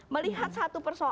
melihat satu persoalan